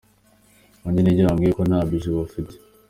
Nanjye njyayo bambwiye ko nta budget bafite".